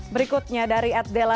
berikutnya dari ed dela